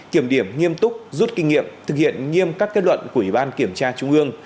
kiểm điểm nghiêm túc rút kinh nghiệm thực hiện nghiêm các kết luận của ủy ban kiểm tra trung ương